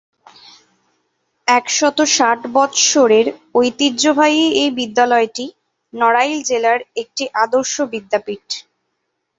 একশত ষাট বৎসরের ঐতিহ্যবাহী এ বিদ্যালয়টি নড়াইল জেলার একটি আদর্শ বিদ্যাপীঠ।